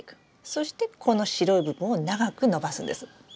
そしてこの白い部分を長く伸ばすんです。